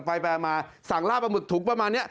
ไปมาสั่งลาบปลาหมึกถุงประมาณนี้